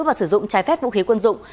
và sử dụng trái phép vũ khí quân dụng